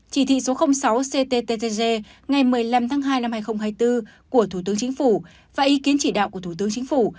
chỉ thị số sáu cttg ngày một mươi năm tháng hai năm hai nghìn hai mươi bốn của thủ tướng chính phủ và ý kiến chỉ đạo của thủ tướng chính phủ